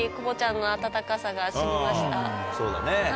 そうだね。